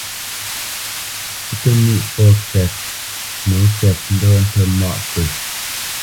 Pə́ tə nîʼ pɔ̂ kɛ́t nǒ kɛ́t ndɔ̂ tə mâʼ pə̂.